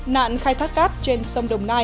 nạn khai thác cát trên sông đồng nai